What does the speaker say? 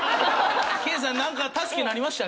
ケイさんなんか助けになりました？